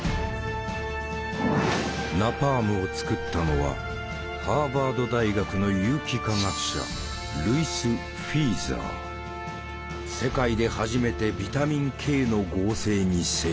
ナパームを作ったのはハーバード大学の世界で初めてビタミンＫの合成に成功。